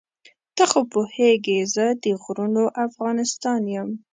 ته خو پوهېږې زه د غرونو افغانستان یم.